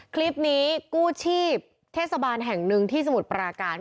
คลิปนี้กู้ชีพเทศบาลแห่งหนึ่งที่สมุทรปราการ